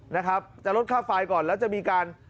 นะครับจะลดค่าไฟก่อนแล้วจะมีการ